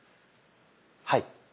はい。